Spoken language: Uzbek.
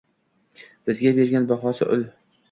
Bizga bergan bahosi ul.